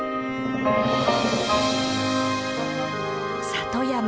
里山